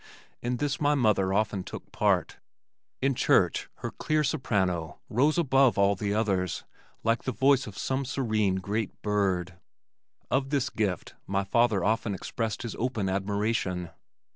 In this my mother often took part. In church her clear soprano rose above all the others like the voice of some serene great bird. Of this gift my father often expressed his open admiration.